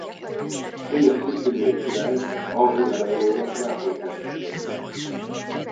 Frigyes szicíliai király és Anjou Eleonóra nápolyi hercegnő fia.